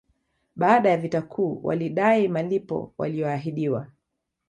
Baada ya vita kuu walidai malipo waliyoahidiwa